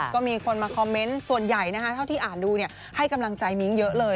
ก็มีคนมาคอมเมนต์ส่วนใหญ่เท่าที่อ่านดูให้กำลังใจมิ้งเยอะเลย